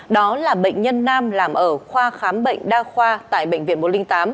đó là bệnh nhân nam làm ở khoa khám bệnh đa khoa tại bệnh viện một trăm linh tám